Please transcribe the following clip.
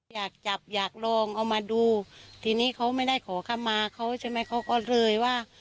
อยากจับอยากลองเอามาดูทีนี้เขาไม่ได้ขอคำมาเขาใช่ไหมเขาก็เลยว่า